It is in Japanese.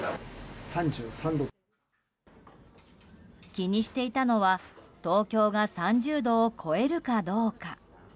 気にしていたのは東京が３０度を超えるかどうか。